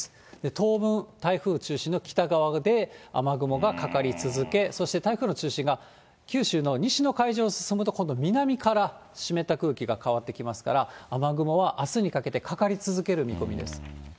当分、台風中心の北側で雨雲がかかり続け、そして台風の中心が九州の西の海上を進むと、今度、南から湿った空気が変わってきますから、雨雲はあすにかけてかかり続ける見込みです。